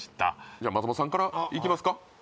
じゃあ松本さんからいきますか？